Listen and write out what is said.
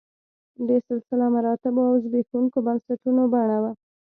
د سلسله مراتبو او زبېښونکو بنسټونو بڼه وه